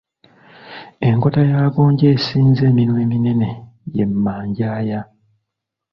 Enkota ya Gonja esinza eminwe eminene ye Manjaaya.